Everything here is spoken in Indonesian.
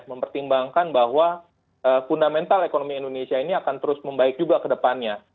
mempertimbangkan bahwa fundamental ekonomi indonesia ini akan terus membaik juga ke depannya